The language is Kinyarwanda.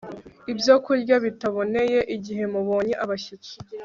ibyokurya bitaboneye igihe mubonye abashyitsi